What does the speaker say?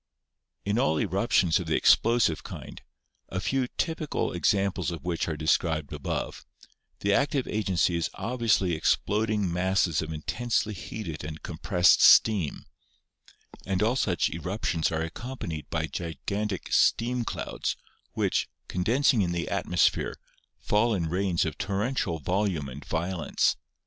In all eruptions of the explosive kind, a few typical ex amples of which are described above, the active agency is obviously exploding masses of intensely heated and com pressed steam, and all such eruptions are accompanied by gigantic steam clouds, which, condensing in the atmos phere, fall in rains of torrential volume and violence.